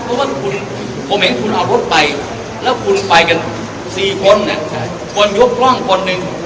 เพราะว่าคุณผมเห็นคุณเอารถไปแล้วคุณไปกัน๔คนคนยกกล้องคนหนึ่ง